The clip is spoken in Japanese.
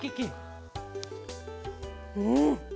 うん！